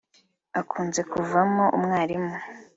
Akunze kuvamo umwarimu